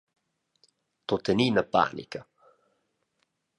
Tuttenina panica.